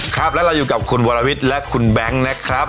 ครับและเราอยู่กับคุณวรวิทย์และคุณแบงค์นะครับ